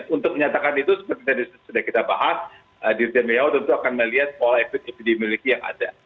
untuk menyatakan itu seperti yang sudah kita bahas di jenderal yawad tentu akan melihat pola efisip yang dimiliki yang ada